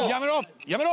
［やめろ！